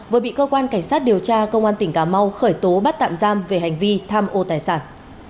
vừa bị cơ quan cảnh sát điều tra công an tỉnh cà mau khởi tố bắt tạm giam về hành vi tham ô tài sản